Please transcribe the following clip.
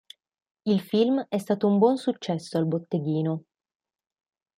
Il film è stato un buon successo al botteghino.